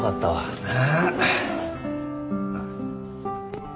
ああ。